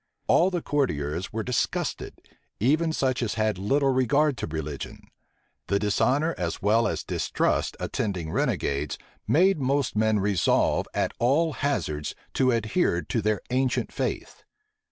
All the courtiers were disgusted, even such as had little regard to religion. The dishonor, as well as distrust, attending renegades, made most men resolve, at all hazards, to adhere to their ancient faith.